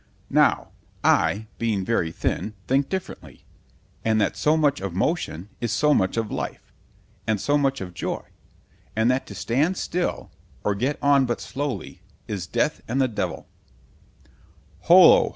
Now, I (being very thin) think differently; and that so much of motion, is so much of life, and so much of joy——and that to stand still, or get on but slowly, is death and the devil—— Hollo!